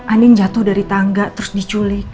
anin jatuh dari tangga terus diculik